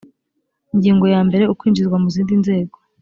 ingingo yambere ukwinjizwa mu zindi nzego